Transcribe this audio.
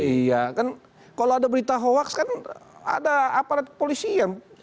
iya kan kalau ada berita hoaks kan ada aparat polisi yang